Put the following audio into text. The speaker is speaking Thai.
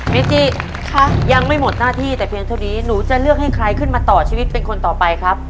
เมจิยังไม่หมดหน้าที่แต่เพียงเท่านี้หนูจะเลือกให้ใครขึ้นมาต่อชีวิตเป็นคนต่อไปครับ